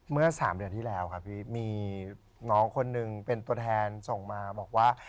เมื่อ๓เดือนที่แล้วครับพี่มีน้องคนหนึ่งเป็นตัวแทนส่งมาบอกว่า